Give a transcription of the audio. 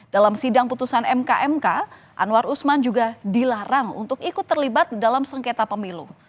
dalam sidang putusan mk mk anwar usman juga dilarang untuk ikut terlibat dalam sengketa pemilu